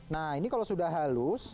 nah ini kalau sudah halus